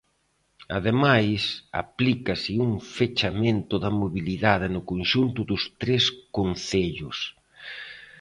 Ademais, aplícase un fechamento da mobilidade no conxunto dos tres concellos.